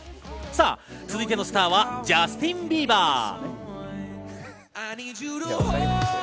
続いてのスターはジャスティン・ビーバー。